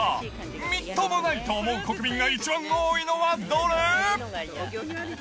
みっともないと思う国民が一番多いのはどれ？